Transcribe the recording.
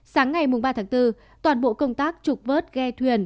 sáng ngày ba tháng bốn toàn bộ công tác trục vớt ghe thuyền